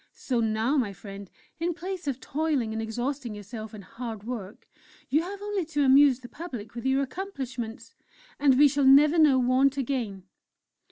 So now, my friend, in place of toiling and exhausting yourself in hard work, you have only to amuse the public with your accomplishments and we shall never know want again!"